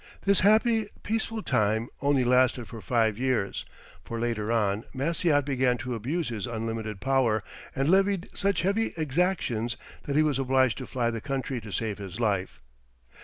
This happy, peaceful time only lasted for five years, for later on, Maciot began to abuse his unlimited power, and levied such heavy exactions that he was obliged to fly the country to save his life.